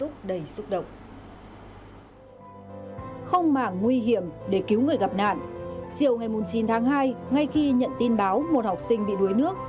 từ ngày chín tháng hai ngay khi nhận tin báo một học sinh bị đuối nước